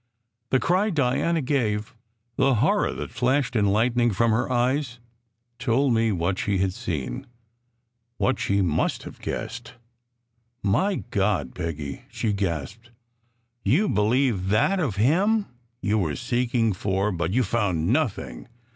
The cry Diana gave, the horror that flashed in lightning from her eyes, told me what she had seen, what she must have guessed. "My God, Peggy!" she gasped. "You believe that of him? You were seeking for but you found nothing.